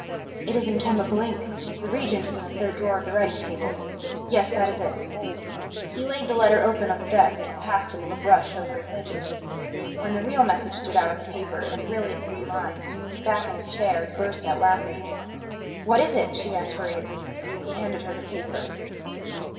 "It is in chemical ink; the reagent is in the third drawer of the writing table. Yes; that is it." He laid the letter open on the desk and passed a little brush over its pages. When the real message stood out on the paper in a brilliant blue line, he leaned back in his chair and burst out laughing. "What is it?" she asked hurriedly. He handed her the paper.